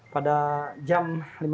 pada jam lima belas tiga puluh